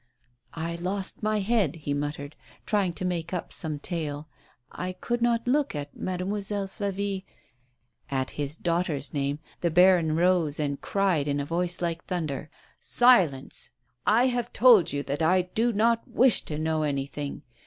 " I lost my head," he muttered, trying to make up some tale. '' I could not look at Mademoiselle Flavie " At his daughter's name the baron rose and cried in a voice like thunder :" Silence ! I have told you that I do not wish to know anything.